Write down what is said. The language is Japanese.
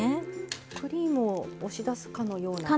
クリームを押し出すかのような。